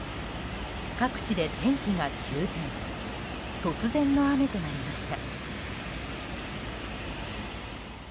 各地で天気が急変突然の雨となりました。